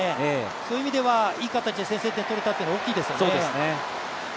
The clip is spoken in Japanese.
そういう意味ではいい形で先制点を取れたのは大きいですよね。